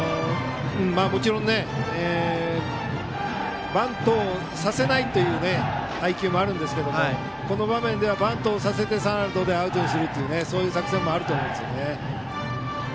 もちろんバントをさせないという配球もあるんですけどもこの場面ではバントをさせてサードでアウトというそういう作戦もあると思います。